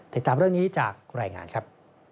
ติดตามเรื่องนี้จากรายงานครับ